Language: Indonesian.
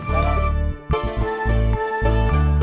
mau lagi jalan